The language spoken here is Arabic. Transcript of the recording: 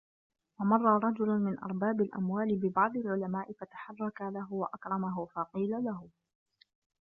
وَمَرَّ رَجُلٌ مِنْ أَرْبَابِ الْأَمْوَالِ بِبَعْضِ الْعُلَمَاءِ فَتَحَرَّكَ لَهُ وَأَكْرَمَهُ فَقِيلَ لَهُ